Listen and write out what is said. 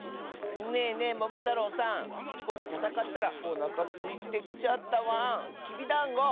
ねえねえももたろうさんぼくたたかったらおなかすいてきちゃったワン。